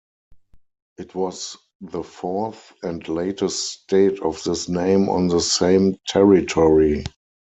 It was the fourth and latest state of this name on the same territiory.